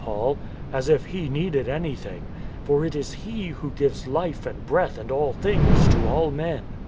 THE SCORN OF ATHENS 221 Paul, "as if He needed anything; for it is He who gives life and breath and all things to all men.